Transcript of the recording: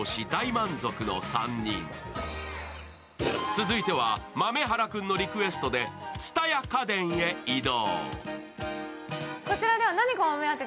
続いては豆原君のリクエストで蔦屋家電へ移動。